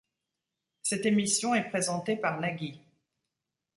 Cette émission est présentée par Nagui.